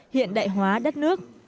hiện đại hóa đất nước